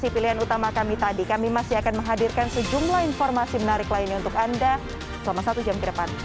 pilihan utama kami tadi kami masih akan menghadirkan sejumlah informasi menarik lainnya untuk anda selama satu jam ke depan